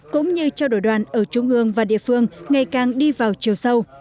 cũng như cho đội đoàn ở trung ương và địa phương ngày càng đi vào chiều sâu